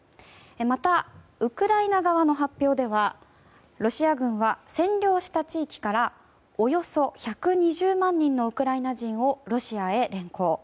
またウクライナ側の発表ではロシア軍は占領した地域からおよそ１２０万人のウクライナ人をロシアへ連行。